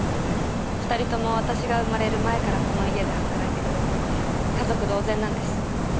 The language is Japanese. ２人とも私が生まれる前からこの家で働いてくれていて家族同然なんです。